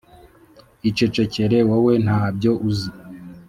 Icecekere wowe ntabyo uzi